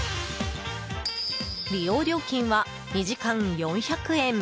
利用料金は２時間４００円。